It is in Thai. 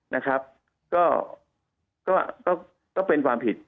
นะครับก็เป็นความผิด